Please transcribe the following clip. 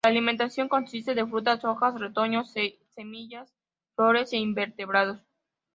La alimentación consiste de frutas, hojas, retoños, semillas, flores e invertebrados.